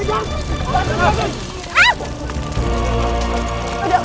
turunin saya pak